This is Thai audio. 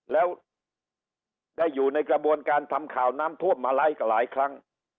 แล้วได้อยู่ในกระบวนการทำข่าวน้ำท่วมมาหลายครั้ง